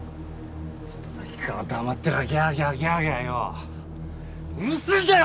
さっきから黙ってりゃギャーギャーギャーギャーようるせえんだよ